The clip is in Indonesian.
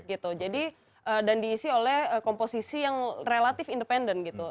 gitu jadi dan diisi oleh komposisi yang relatif independen gitu